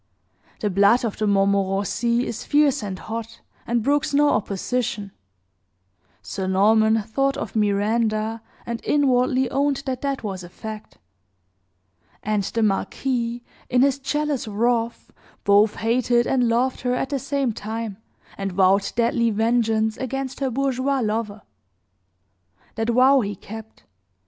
The blood of the Montmorencis is fierce and hot, and brooks no opposition" (Sir Norman thought of Miranda, and inwardly owned that that was a fact); "and the marquis, in his jealous wrath, both hated and loved her at the same time, and vowed deadly vengeance against her bourgeois lover. That vow he kept.